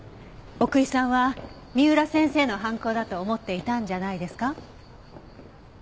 奥居さんは三浦先生の犯行だと思っていたんじゃないですか？